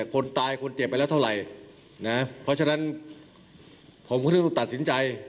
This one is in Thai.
คนตายคนเจ็บไปแล้วเท่าไหร่นะเพราะฉะนั้นผมก็เลยต้องตัดสินใจ